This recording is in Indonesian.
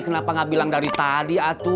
kenapa gak bilang dari tadi atur